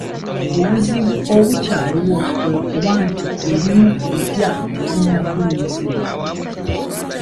Obuzibu obukyaliwo kwe kuba nti ebimu ku byapa tebinnafulumizibwa.